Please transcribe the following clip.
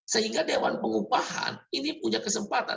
sehingga dewan pengupahan ini punya kesempatan